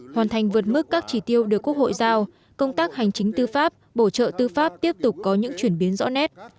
hoàn thành vượt mức các chỉ tiêu được quốc hội giao công tác hành chính tư pháp bổ trợ tư pháp tiếp tục có những chuyển biến rõ nét